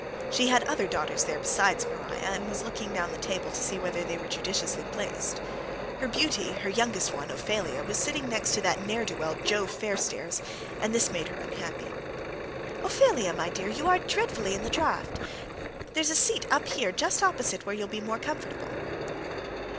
She had other daughters there besides Maria, and was looking down the table to see whether they were judiciously placed. Her beauty, her youngest one, Ophelia, was sitting next to that ne'er do well Joe Fairstairs, and this made her unhappy. "Ophelia, my dear, you are dreadfully in the draught; there's a seat up here, just opposite, where you'll be more comfortable."